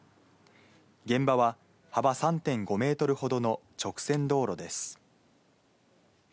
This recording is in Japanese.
現場は幅３．５メートルほどの直線道路です。